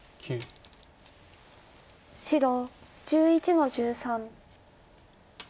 白１１の十三。